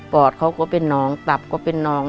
อดเขาก็เป็นน้องตับก็เป็นน้อง